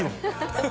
ハハハ。